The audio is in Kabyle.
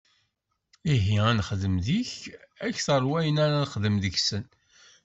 Ihi, ad nexdem deg-k akteṛ n wayen ara nexdem deg-sen!